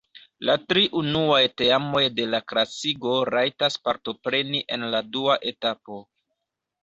La tri unuaj teamoj de la klasigo rajtas partopreni en la dua etapo.